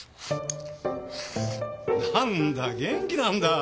何だ元気なんだ。